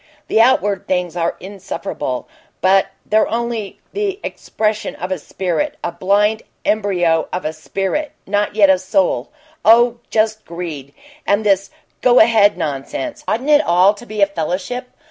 The outward things are insufferable, but they're only the expression of a spirit a blind embryo of a spirit, not yet a soul oh, just greed! And this 'go ahead' nonsense! Oughtn't it all to be a fellowship?